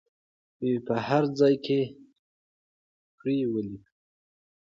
په هر ځای کې پرې ولیکو.